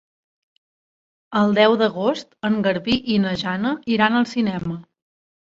El deu d'agost en Garbí i na Jana iran al cinema.